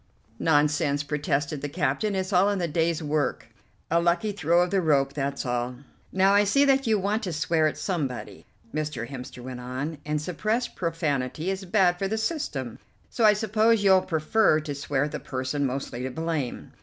"Nonsense," protested the captain, "it's all in the day's work: a lucky throw of the rope, that's all." "Now I see that you want to swear at somebody," Mr. Hemster went on, "and suppressed profanity is bad for the system; so I suppose you'll prefer to swear at the person mostly to blame.